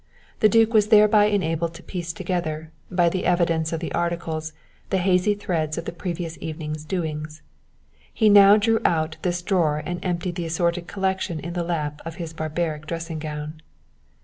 The duke was thereby enabled to piece together, by the evidence of the articles, the hazy threads of the previous evening's doings. He now drew out this drawer and emptied the assorted collection in the lap of his barbaric dressing gown.